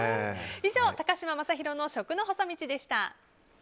以上、高嶋政宏の食の細道でした。